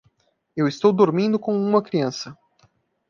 Eu estou dormindo com uma criança.